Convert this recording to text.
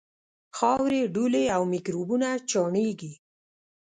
خاورې، دوړې او میکروبونه چاڼېږي.